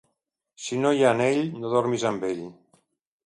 Si no hi ha anell no dormis amb ell.